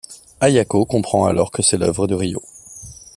Ayako comprend alors que c'est l'œuvre de Ryô.